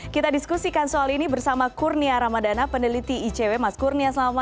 kita diskusikan soal ini bersama kurnia ramadana peneliti icw mas kurnia selamat malam